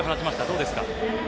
どうですか？